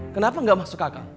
kenapa gak masuk akal